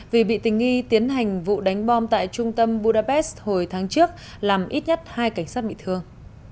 vì bị tình nghi tiến hành vụ đánh bom tại trung tâm budapest hồi tháng trước làm ít nhất hai cảnh sát bị thương